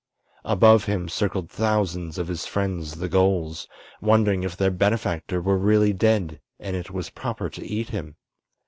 Above him circled thousands of his friends the gulls, wondering if their benefactor were really dead and it was proper to eat him.